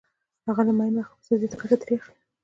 هغه له معین وخت وروسته زیاته ګټه ترې اخلي